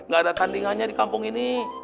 gak ada tandingannya di kampung ini